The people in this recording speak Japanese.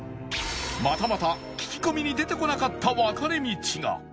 またまた聞き込みに出てこなかった分かれ道が